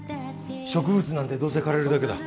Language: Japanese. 植物なんてどうせ枯れるだけだ。